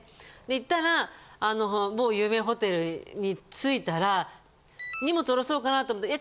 で行ったら某有名ホテルに着いたら荷物降ろそうかなと思って。